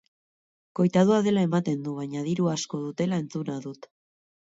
Koitadua dela ematen du baina diru asko dutela entzuna dut.